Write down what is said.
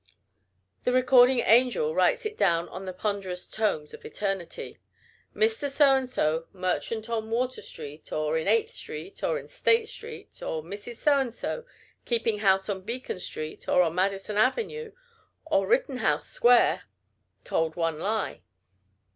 The recording angel writes it down on the ponderous tomes of eternity "Mr. So and So, merchant on Water street, or in Eighth street, or in State street; or Mrs. So and So, keeping house on Beacon street, or on Madison avenue, or Rittenhouse square, told one lie."